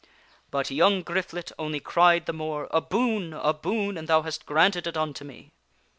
But young Griflet only cried the more, "A boon! A boon! and thou hast granted it unto me."